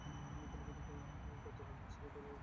এই দলের প্রধান কার্যালয় মেক্সিকোর তোলুকায় অবস্থিত।